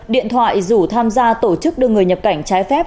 điện thoại rủ tham gia tổ chức đưa người nhập cảnh trái phép